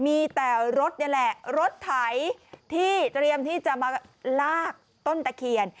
มีแต่รถนี่แหละรถไถที่เตรียมที่จะมาลากต้นตะเคียน